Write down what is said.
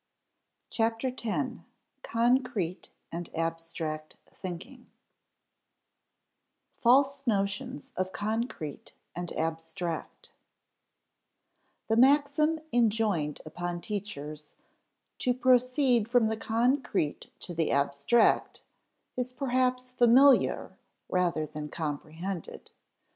CHAPTER TEN CONCRETE AND ABSTRACT THINKING [Sidenote: False notions of concrete and abstract] The maxim enjoined upon teachers, "to proceed from the concrete to the abstract," is perhaps familiar rather than comprehended.